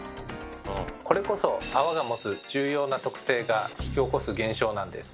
これこそ泡が持つ重要な特性が引き起こす現象なんです。